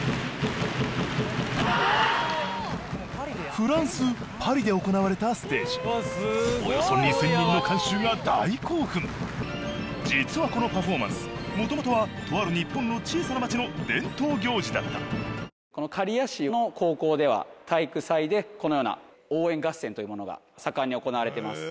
フランスパリで行われたステージが大興奮実はこのパフォーマンス元々はとある日本の小さな町の伝統行事だったこの刈谷市の高校では体育祭でこのような応援合戦というものが盛んに行われてます。